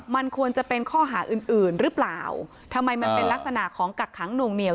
มันควรจะเป็นข้อหาอื่นอื่นหรือเปล่าทำไมมันเป็นลักษณะของกักขังหน่วงเหนียว